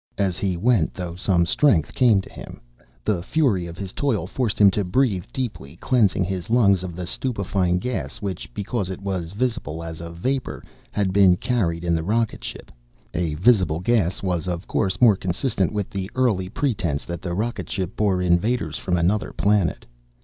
As he went, though, some strength came to him. The fury of his toil forced him to breathe deeply, cleansing his lungs of the stupefying gas which, because it was visible as a vapor, had been carried in the rocket ship. A visible gas was, of course, more consistent with the early pretense that the rocket ship bore invaders from another planet.